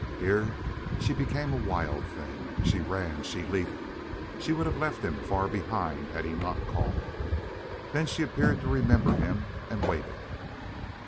Here she became a wild thing. She ran, she leaped, she would have left him far behind had he not called. Then she appeared to remember him and waited.